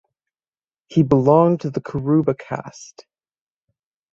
He belonged to the Kuruba caste.